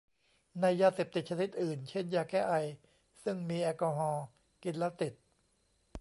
ในยาเสพติดชนิดอื่น เช่นยาแก้ไอ ซึ่งมีแอลกอฮอล์ กินแล้วติด